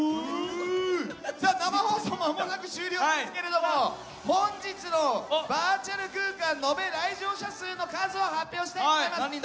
生放送まもなく終了ですが本日のバーチャル空間延べ来場者数の数を発表したいと思います。